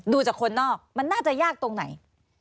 ดูจากคนนอกมันน่าจะยากตรงไหน